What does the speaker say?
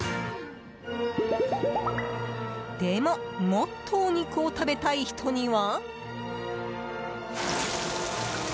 でも、もっとお肉を食べたい人には。